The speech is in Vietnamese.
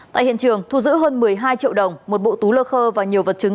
tại hiện trường thu giữ hơn một mươi hai triệu đồng một bộ túi lơ khơ và nhiều vật chứng